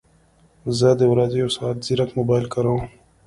زه د ورځې یو ساعت ځیرک موبایل کاروم